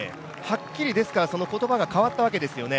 はっきり言葉が変わったわけですよね。